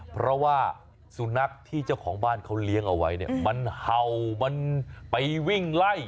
เพราะว่าสุนัขที่เจ้าของบ้านเขาเลี้ยงเอาไว้เนี่ยมันเห่ามันไปวิ่งไล่